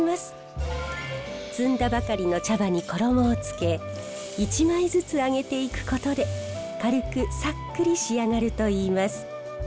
摘んだばかりの茶葉に衣をつけ１枚ずつ揚げていくことで軽くさっくり仕上がるといいます。